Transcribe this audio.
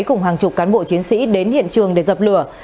cùng hàng chục cán bộ chiến sĩ đến hiện trường để dập lửa